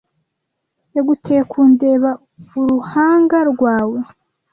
yaguteye kundeba uruhanga rwawe